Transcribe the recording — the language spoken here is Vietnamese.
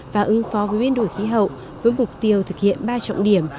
và ứng phó với biến đổi khí hậu với mục tiêu thực hiện ba trọng điểm